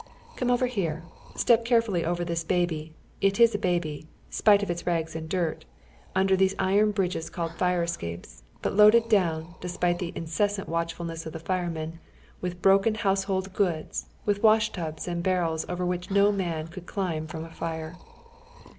Come over here. Step carefully over this baby — it is a baby, spite of its rags and dirt— under these iron bridges called fii'e escapes, but loaded down, despite the incessant watchfulness of the firemen, with broken house hold goods, with wash tubs and barrels, over which no man could climb from a fire.